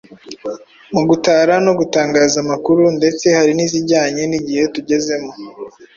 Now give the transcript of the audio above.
mu gutara no mu gutangaza amakuru. Ndetse hari n’izijyanye n’igihe tugezemo,